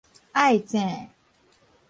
愛諍